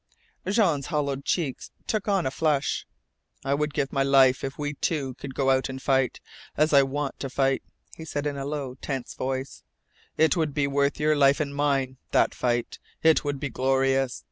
Jean's hollowed cheeks took on a flush. "I would give my life if we two could go out and fight as I want to fight," he said in a low, tense voice, "It would be worth your life and mine that fight. It would be glorious.